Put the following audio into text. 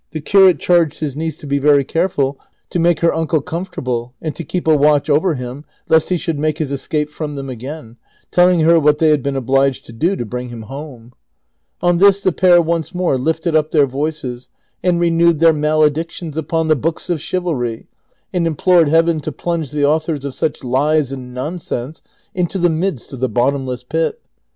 curate charged his niece to be very careful to make her uncle comfortable and to keep a Avatch over him lest he should make his escape from them again, "telling her what they had been obliged to do to bring him home. On this the pair once more lifted up their voices and renewed their maledictions upon the books of chivalry, and implored Heaven to plunge the authors of such lies and nonsense into the midst of the bottomless pit.